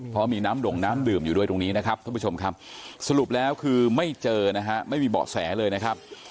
เพราะมีน้ำดงน้ำดื่มอยู่ด้วยตรงนี้นะครับท่านผู้ชมครับสรุปแล้วคือไม่เจอนะฮะไม่มีเบาะแสเลยนะครับ